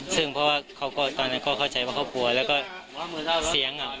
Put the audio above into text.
ซึ่งเพราะว่าเขาก็ตอนนั้นก็เข้าใจว่าครอบครัวแล้วก็เสียงอ่ะ